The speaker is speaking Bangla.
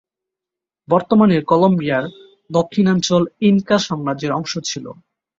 বর্তমানের কলম্বিয়ার দক্ষিণাঞ্চল ইনকা সাম্রাজ্যের অংশ ছিল।